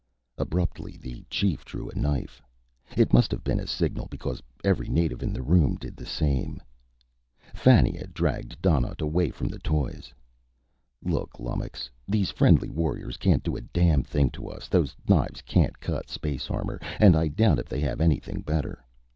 Abruptly, the chief drew a knife. It must have been a signal, because every native in the room did the same. Fannia dragged Donnaught away from the toys. "Look, lummox. These friendly warriors can't do a damn thing to us. Those knives can't cut space armor, and I doubt if they have anything better.